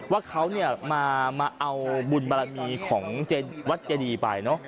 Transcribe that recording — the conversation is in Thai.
ว่าเขามาเอาบุญบารมีของวัดเจดีไปเนอะ